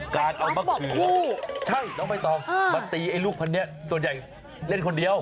กอล์ฟบกคู่ใช่น้องไม่ต้องมาตีไอ้ลูกพันเนี่ยส่วนใหญ่เล่นคนเดียว